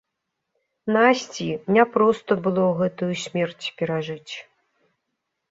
Насці няпроста было гэтую смерць перажыць.